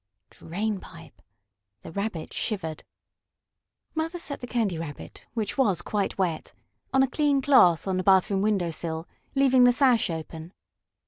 "Drain pipe!" The Rabbit shivered. Mother set the Candy Rabbit, which was quite wet, on a clean cloth on the bathroom window sill, leaving the sash open.